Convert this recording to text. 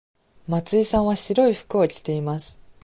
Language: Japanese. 松井さんは白い服を着ています。